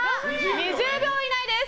２０秒以内です。